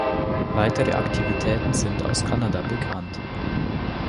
Weitere Aktivitäten sind aus Kanada bekannt.